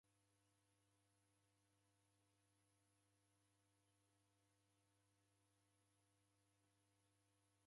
Ola chai chadika kedi kwaw'ezighana mwatulituli.